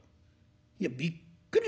いやびっくり仰天